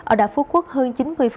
ở đảo phú quốc hơn chín mươi doanh nghiệp